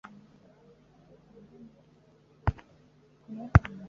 gukora ibintu nkibyo bituma ugaragara nkibicucu